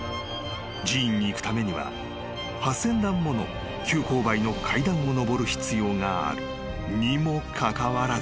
［寺院に行くためには８，０００段もの急勾配の階段を上る必要があるにもかかわらず］